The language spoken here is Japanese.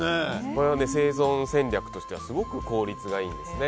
これは生存戦略としてはすごく効率がいいんです。